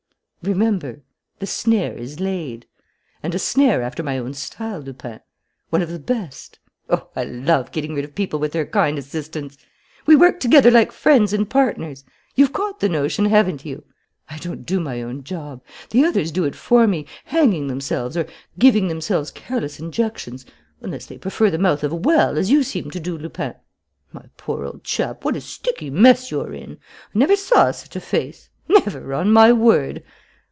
"Remember: 'The snare is laid.' And a snare after my own style, Lupin; one of the best! Oh, I love getting rid of people with their kind assistance. We work together like friends and partners. You've caught the notion, haven't you? "I don't do my own job. The others do it for me, hanging themselves or giving themselves careless injections unless they prefer the mouth of a well, as you seem to do, Lupin. My poor old chap, what a sticky mess you're in! I never saw such a face, never, on my word!